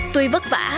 tuy vất vả